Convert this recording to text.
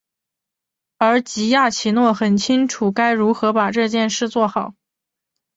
而吉亚奇诺很清楚该如何把这件事做好。